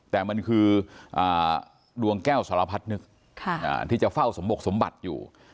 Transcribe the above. แต่มันคือดวงแก้วสารพัดนึกที่จะเฝ้าสมบกสมบัติอยู่